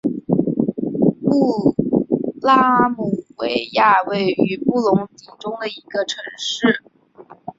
穆拉姆维亚位于布隆迪中部的一座城市。